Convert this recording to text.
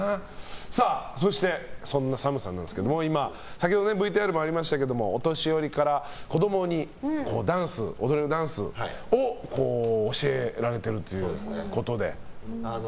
そしてそんなＳＡＭさんですが先ほどＶＴＲにもありましたけどお年寄りから子供も踊れるダンスを教えられてるということで。